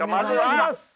お願いします！